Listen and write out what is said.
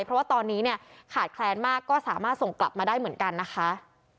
เพราะว่าตอนนี้เนี่ยขาดแคลนมากก็สามารถส่งกลับมาได้เหมือนกันนะคะ